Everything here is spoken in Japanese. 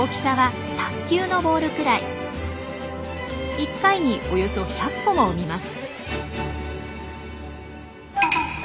１回におよそ１００個も産みます。